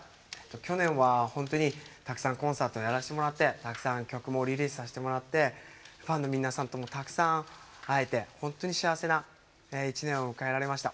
去年は本当にたくさんコンサートをやらしてもらってたくさん曲もリリースさせてもらってファンの皆さんともたくさん会えて本当に幸せな１年を迎えられました。